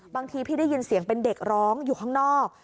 พี่ได้ยินเสียงเป็นเด็กร้องอยู่ข้างนอก